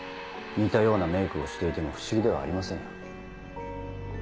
似たようなメイクをしていても不思議ではありませんよ。